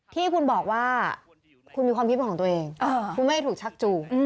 ที่คุณบอกว่าคุณมีความคิดเป็นของตัวเองคุณไม่ได้ถูกชักจูง